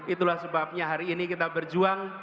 itulah sebabnya hari ini kita berjuang